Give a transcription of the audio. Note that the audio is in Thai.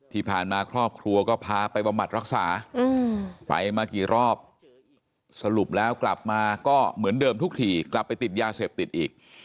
ที่ผ่านมาครอบครัวก็พาไปบำบัดรักษาไปมากี่รอบสรุปแล้วกลับมาก็เหมือนเดิมทุกทีกลับไปติดยาเสพติดอีก